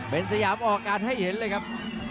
เป็นสยามออกการให้เห็นเลยครับ